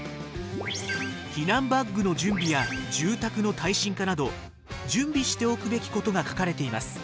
避難バッグの準備や住宅の耐震化など準備しておくべきことが書かれています。